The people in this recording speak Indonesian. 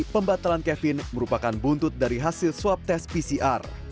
pembatalan kevin merupakan buntut dari hasil swab tes pcr